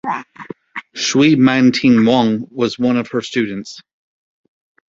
Shwe Man Tin Maung was one of her students.